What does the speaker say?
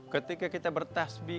ketika kita bertasbih